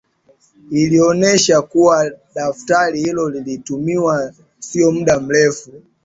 Ilionesha kuwa daftari hilo lilitumiwa sio muda mrefu